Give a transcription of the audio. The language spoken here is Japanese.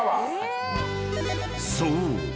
［そう。